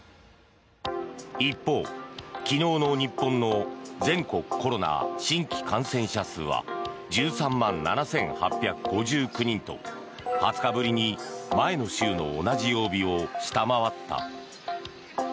一方、昨日の日本の全国コロナ新規感染者数は１３万７８５９人と２０日ぶりに前の週の同じ曜日を下回った。